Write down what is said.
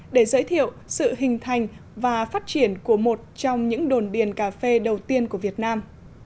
để giới thiệu sự hình thành và phát triển của một trong những đồn điền cà phê đầu tiên của việt nam